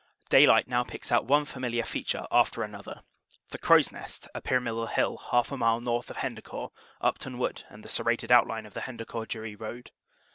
Daylight now picks out one familiar feature after another the Crow s Nest, a pyramidal hill half a mile north of Hendecourt, Upton Wood, and the serrated outline of the Hendecourt Dury road.